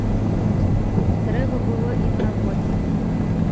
Трэба было ім работнік.